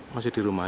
masih di rumah ya